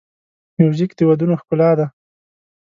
موزیک د ودونو ښکلا ده.